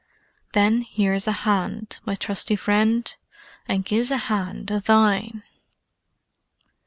"Then here's a hand, my trusty friend, And gie's a hand o' thine."